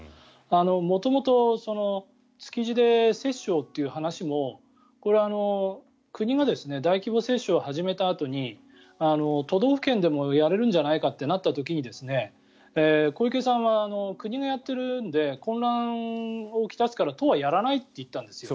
元々、築地で接種をという話もこれは国が大規模接種を始めたあとに都道府県でもやれるんじゃないかってなった時小池さんは国がやっているので混乱をきたすから都はやらないと言ったんですよ。